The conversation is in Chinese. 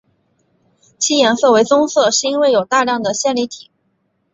其颜色为棕色是因为有大量的线粒体。